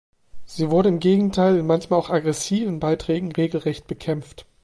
Sie wurde im Gegenteil in manchmal auch aggressiven Beiträgen regelrecht bekämpft.